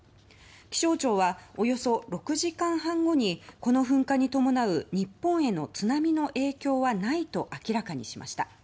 気象庁は、およそ６時間半後にこの噴火に伴う日本への津波の影響はないと明らかにしました。